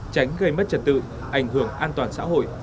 tránh gây mất trật tự ảnh hưởng an toàn xã hội